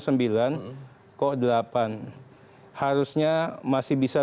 kok delapan harusnya masih bisa